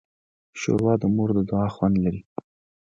ښوروا د مور د دعا خوند لري.